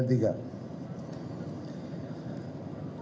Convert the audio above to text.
berdasarkan hasil pemeriksaan